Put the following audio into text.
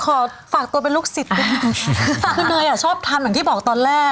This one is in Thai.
ขอฝากตัวเป็นลูกศิษย์คือเนยอ่ะชอบทำอย่างที่บอกตอนแรก